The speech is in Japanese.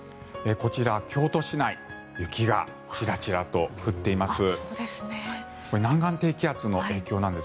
こちら、京都市内雪がちらちらと降っています。